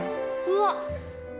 うわっ！